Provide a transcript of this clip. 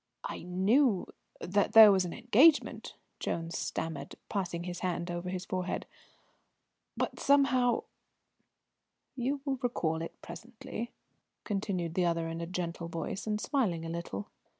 "I knew that there was an engagement," Jones stammered, passing his hand over his forehead; "but somehow " "You will recall it presently," continued the other in a gentle voice, and smiling a little.